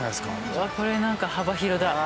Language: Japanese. うわっこれなんか幅広だ。